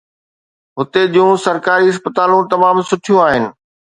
هتي جون سرڪاري اسپتالون تمام سٺيون آهن.